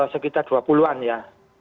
sekitar dua puluh an ya